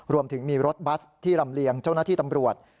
รวมถึงมีรถบัสที่ลำเลียงเจ้าหน้าที่ตำรวจ